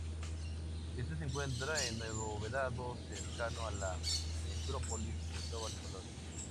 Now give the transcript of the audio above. Este se encuentra en Nuevo Vedado, cercano a la Necrópolis Cristóbal Colón.